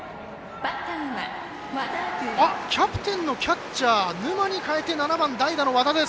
キャプテンのキャッチャー、沼に代えて７番、代打の和田です。